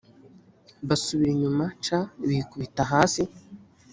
basubira inyuma c bikubita hasi